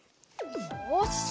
よし！